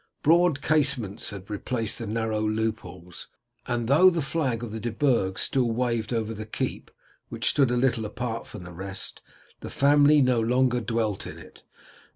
Broad casements had replaced the narrow loopholes, and though the flag of the De Burgs still waved over the keep, which stood a little apart from the rest, the family no longer dwelt in it.